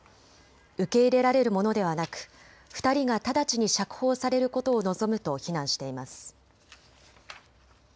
受け入れられるものではなく２人が直ちに釈放されることを望むと非難しています。